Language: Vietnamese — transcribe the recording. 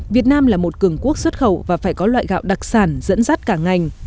việt nam là một cường quốc xuất khẩu và phải có loại gạo đặc sản dẫn dắt cả ngành